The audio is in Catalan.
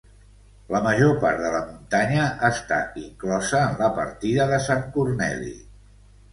La major part de la muntanya està inclosa en la Partida de Sant Corneli.